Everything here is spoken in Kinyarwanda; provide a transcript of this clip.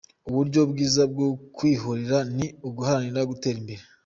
Uburyo bwiza bwo kwihorera ni uguharanira gutera imbere.